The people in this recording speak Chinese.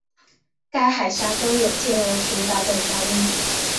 该海峡中有天鹅群岛等岛屿。